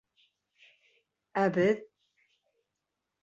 Ә беҙ...